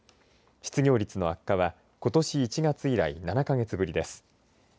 失業率の悪化はことし１月以来７か月ぶりです。